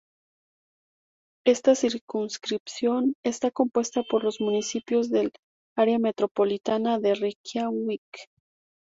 Esta circunscripción está compuesta por los municipios del área metropolitana de Reikiavik.